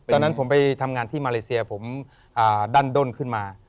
ตอนนั้นผมไปทำงานที่มาเลเซียผมดั้นด้นขึ้นมา